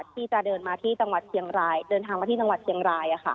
ที่จะเดินทางมาที่จังหวัดเชียงราย